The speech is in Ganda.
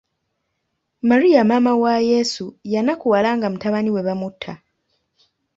Maria maama wa Yesu yanakuwala nga mutabani we bamutta.